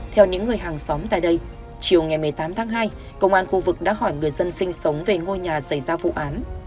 theo những người hàng xóm tại đây chiều ngày một mươi tám tháng hai công an khu vực đã hỏi người dân sinh sống về ngôi nhà xảy ra vụ án